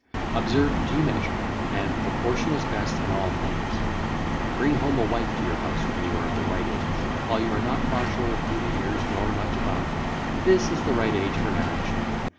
Observe due measure: and proportion is best in all things. (ll. 695 705) Bring home a wife to your house when you are of the right age, while you are not far short of thirty years nor much above; this is the right age for marriage.